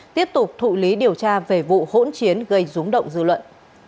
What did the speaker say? tiếp tục thụ lý điều tra về vụ hỗn chiến gây rúng động dư luận